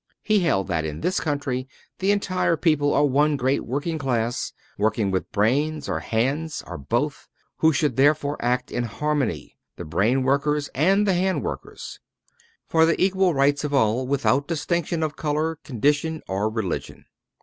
He held that in this country the entire people are one great working class, working with brains, or hands, or both, who should therefore act in harmony the brain workers and the hand workers for the equal rights of all, without distinction of color, condition, or religion.